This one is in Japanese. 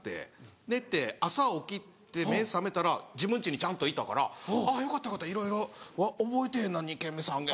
寝て朝起きて目覚めたら自分家にちゃんといたから「よかったよかったいろいろ覚えてへんな２軒目３軒目」。